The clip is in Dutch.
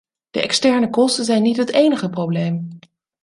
De externe kosten zijn niet het enige probleem.